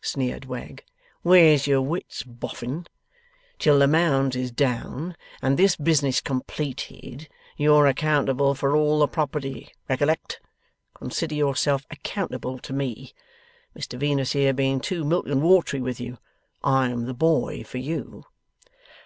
sneered Wegg. 'Where's your wits, Boffin? Till the Mounds is down and this business completed, you're accountable for all the property, recollect. Consider yourself accountable to me. Mr Venus here being too milk and watery with you, I am the boy for you.